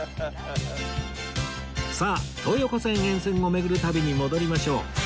さあ東横線沿線を巡る旅に戻りましょう